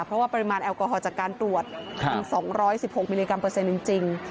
เพราะว่าปริมาณแอลกอฮอลจากการตรวจมัน๒๑๖มิลลิกรัมเปอร์เซ็นต์จริง